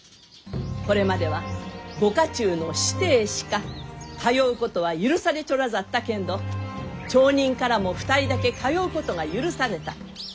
これまではご家中の子弟しか通うことは許されちょらざったけんど町人からも２人だけ通うことが許された。